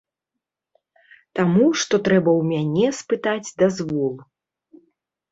Таму што трэба ў мяне спытаць дазвол.